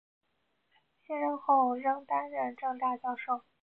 卸任后仍任政大教授。